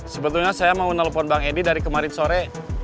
sebetulnya saya mau nelpon bang edi dari kemarin sore